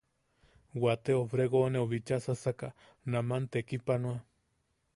Wate Obregoneu bicha sasaka naman tekipanoa.